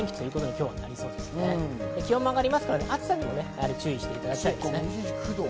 気温も上がりますから、暑さにも注意してください。